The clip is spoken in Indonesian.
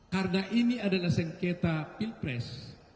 yang pentingnya adalah sengketa pilpres